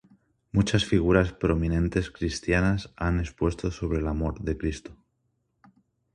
Muchas figuras prominentes cristianas han expuesto sobre el amor de Cristo.